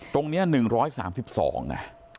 ตรงเนี่ย๑๓๒น่ะ